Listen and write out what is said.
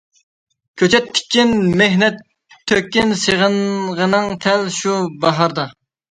كۆچەت تىككىن مېھنەت تۆككىن سېغىنغىنىڭ تەل شۇ باھاردا.